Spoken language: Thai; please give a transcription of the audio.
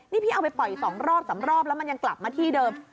นี่พี่เอาไปปล่อย๒รอบ๓รอบแล้วมันยังกลับมาที่เดิม